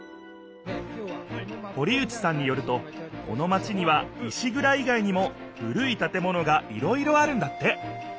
堀内さんによるとこのマチには石ぐらい外にも古い建物がいろいろあるんだって。